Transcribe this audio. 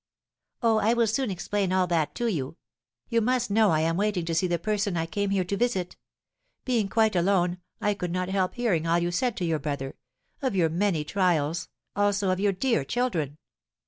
"Oh, I will soon explain all that to you. You must know I am waiting to see the person I came here to visit. Being quite alone, I could not help hearing all you said to your brother, of your many trials, also of your dear children.